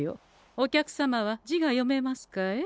お客様は字が読めますかえ？